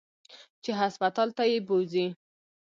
چې هسپتال ته يې بوځي.